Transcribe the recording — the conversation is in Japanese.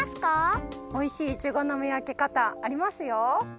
おいしいイチゴの見分け方ありますよ。